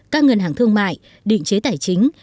các ngân hàng thương mại định chế tài chính